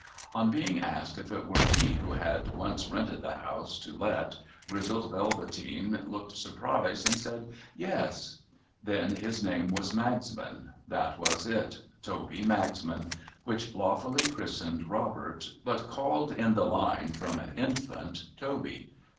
On being asked if it were he who had once rented the House to Let, Grizzled Velveteen looked surprised, and said yes. Then his name was Magsman ? That was it, Toby Magsman— which lawfully christened Robert; but called in the line, from a infant, Toby.